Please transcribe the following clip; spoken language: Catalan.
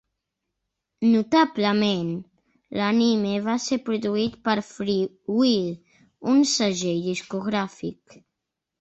Notablement, l'anime va ser produït per Free-Will, un segell discogràfic.